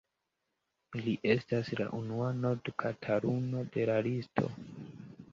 Li estas la unua nord-Kataluno de la listo.